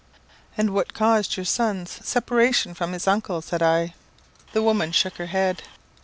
"And what caused your son's separation from his uncle?" said I. The woman shook her head.